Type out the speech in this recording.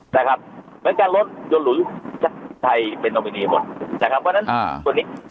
นะครับเหมือนการรถยนต์หรุดชัดใจแต่ครับเพราะฉะนั้นส่วนนี้